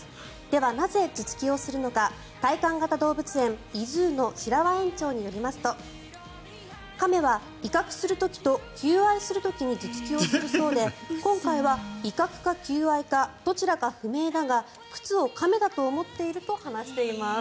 ではなぜ頭突きをするのか体感型動物園ｉＺｏｏの白輪園長によりますと亀は威嚇する時と求愛する時に頭突きをするそうで今回は威嚇か求愛かどちらか不明だが靴を亀だと思っていると話しています。